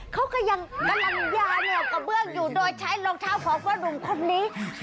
เค้าก็ยังกำลังยาเหนือกระเบื้องอยู่โดยใช้โรคเท้าของเจ้านุ่มคนนี้